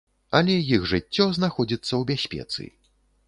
Але іх жыццё знаходзіцца ў бяспецы.